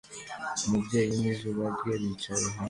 Umubyeyi n'izuba rye bicaye hanze